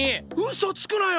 嘘つくなよ！